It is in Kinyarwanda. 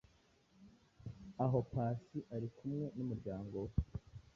aho Pac arikumwe n'umuryango we